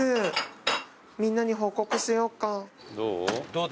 どう？